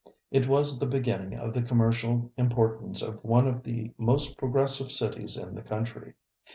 It was the beginning of the commercial importance of one of the most progressive cities in the country.